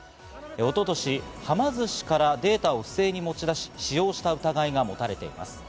一昨年、はま寿司からデータを不正に持ち出し使用した疑いが持たれています。